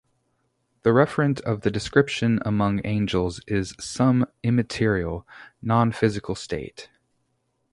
The referent of the description among angels is some immaterial, non-physical state.